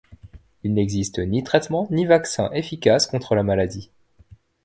Il n'existe ni traitement, ni vaccin efficaces contre la maladie.